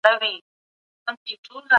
د ملکیت حق د انسان فطرت دی.